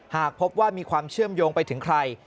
หากพบว่ามีความเชื่อมโยงไปถึงใคร